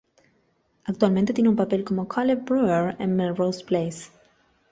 Actualmente tiene un papel como Caleb Brewer en "Melrose Place".